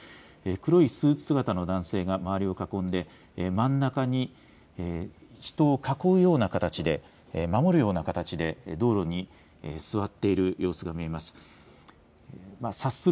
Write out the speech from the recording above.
黒いスーツ姿の男性が周りを囲んで真ん中に人を囲うような形で守るような形で道路に座っている様子が見えます。